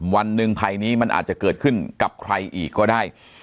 วันหนึ่งภัยนี้มันอาจจะเกิดขึ้นกับใครอีกก็ได้